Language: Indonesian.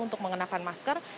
untuk mengenakan masker